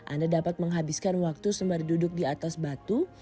anda dapat menghabiskan waktu sembar duduk di atas batu